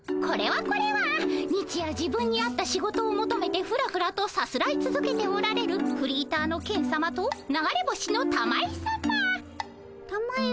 これはこれは日夜自分に合った仕事をもとめてフラフラとさすらいつづけておられるフリーターのケンさまと流れ星のたまえさま。